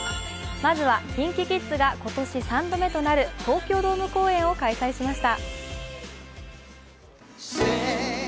まずはＫｉｎＫｉＫｉｄｓが今年３度目となる東京ドーム公演を開催しました。